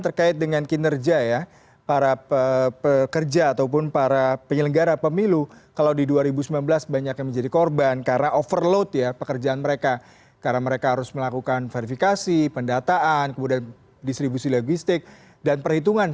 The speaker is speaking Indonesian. tidak ada yang diberikan bahwa berapa banyak lagi kanan